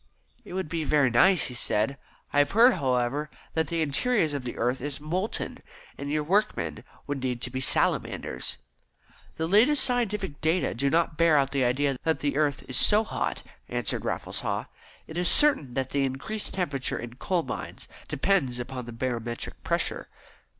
"It would be very nice," he said. "I have heard, however, that the interior of the earth is molten, and your workmen would need to be Salamanders." "The latest scientific data do not bear out the idea that the earth is so hot," answered Raffles Haw. "It is certain that the increased temperature in coal mines depends upon the barometric pressure.